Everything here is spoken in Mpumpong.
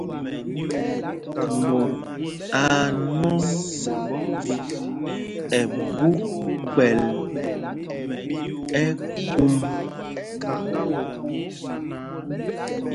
Mot aa nwɔŋ ɛ ɓu kpɛl ɛkúm.